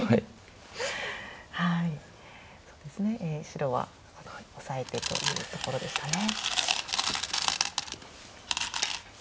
白はオサえてというところでしたね。